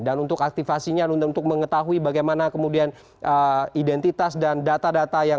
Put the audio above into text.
dan untuk aktifasinya untuk mengetahui bagaimana kemudian identitas dan data data